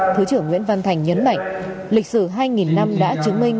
thứ trưởng nguyễn văn thành nhấn mạnh lịch sử hai năm đã chứng minh